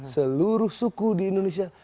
seluruh suku di indonesia